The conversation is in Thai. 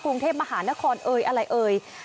กรุงเทพมหานครเอ่ยอะไรเอ่ย